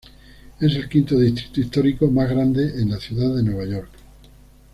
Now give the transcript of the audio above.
Es el quinto distrito histórico más grande en Ciudad de Nueva York.